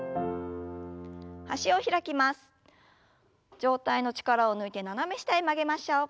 上体の力を抜いて斜め下へ曲げましょう。